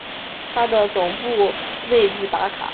它的总部位于达卡。